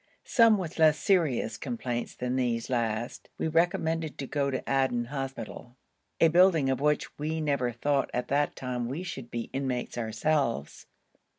Some with less serious complaints than these last we recommended to go to Aden hospital, a building of which we never thought at that time we should be inmates ourselves.